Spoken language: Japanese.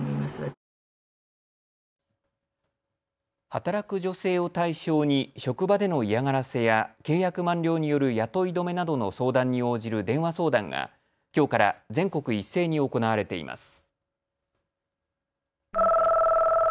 働く女性を対象に職場での嫌がらせや契約満了による雇い止めなどの相談に応じる電話相談がきょうから全国一斉に行われています。